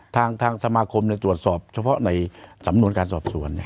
ทางสมาคมตรวจสอบเฉพาะในสำนวนการสอบสวน